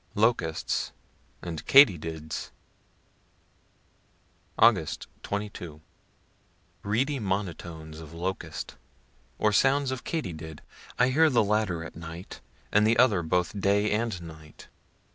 LOCUSTS AND KATY DIDS Aug. 22. Reedy monotones of locust, or sounds of katydid I hear the latter at night, and the other both day and night.